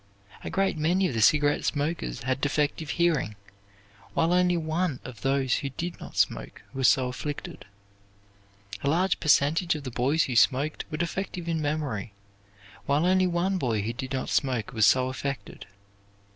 A great many of the cigarette smokers had defective hearing, while only one of those who did not smoke was so afflicted. A large percentage of the boys who smoked were defective in memory, while only one boy who did not smoke was so affected.